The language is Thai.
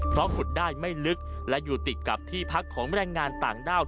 เพราะขุดได้ไม่ลึกและอยู่ติดกับที่พักของแรงงานต่างด้าว